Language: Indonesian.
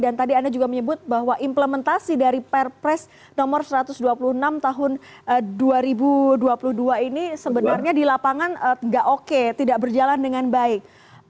dan tadi anda juga menyebut bahwa implementasi dari perpres nomor satu ratus dua puluh enam tahun dua ribu dua puluh dua ini sebenarnya di lapangan tidak oke tidak berjalan dengan baik